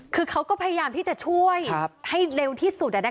คือเขาก็พยายามที่จะช่วยให้เร็วที่สุด